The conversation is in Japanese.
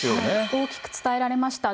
大きく伝えられました。